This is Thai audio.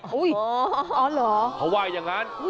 อ๋อเหรอเขาว่าอย่างนั้น